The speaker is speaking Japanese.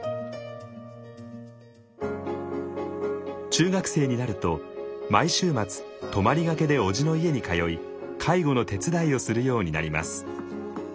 中学生になると毎週末泊まりがけでおじの家に通い介護の手伝いをするようになります。